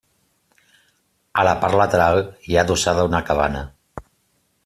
A la part lateral hi ha adossada una cabana.